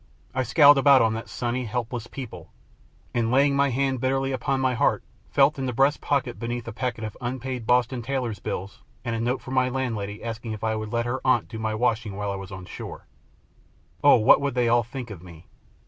I scowled about on that sunny, helpless people, and laying my hand bitterly upon my heart felt in the breast pocket beneath a packet of unpaid Boston tailors' bills and a note from my landlady asking if I would let her aunt do my washing while I was on shore. Oh! what would they all think of me?